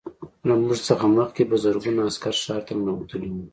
له موږ څخه مخکې په زرګونه عسکر ښار ته ننوتلي وو